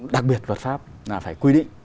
đặc biệt luật pháp là phải quy định